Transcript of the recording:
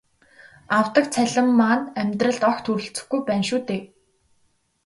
Авдаг цалин маань амьдралд огт хүрэлцэхгүй байна шүү дээ.